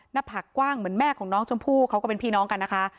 หน้าผักกว้างเหมือนแม่ของน้องชมพู่เขาก็เป็นพี่น้องกันนะคะ